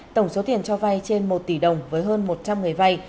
tổng số tiền cho vay trên một tỷ đồng với hơn một trăm linh người vay